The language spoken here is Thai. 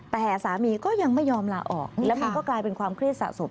แต่สามีก็ยังไม่ยอมลาออกแล้วมันก็กลายเป็นความเครียดสะสม